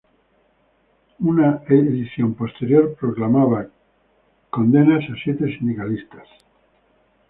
Una edición posterior proclamaba “Condenas a siete sindicalistas.